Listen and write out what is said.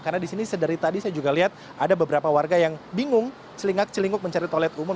karena di sini sedari tadi saya juga lihat ada beberapa warga yang bingung celingak celinguk mencari toilet umum